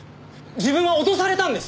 自分は脅されたんです。